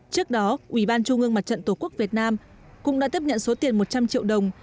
trước đó ủy ban trung ương mặt trận tổ quốc việt nam cũng đã tiếp nhận số tiền một trăm linh triệu đồng